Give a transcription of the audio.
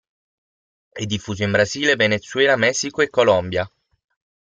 È diffuso in Brasile, Venezuela, Messico e Colombia.